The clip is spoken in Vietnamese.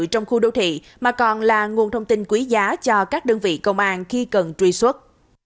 trong khu đô thị mà còn là nguồn thông tin quý giá cho các đơn vị công an khi cần truy xuất